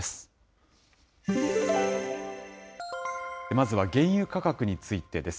まずは原油価格についてです。